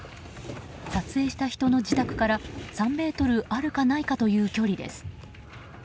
撮影した人の自宅から３ｍあるかないかという距離です。